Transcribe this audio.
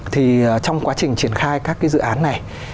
thì trong quá trình triển khai các cái dự án này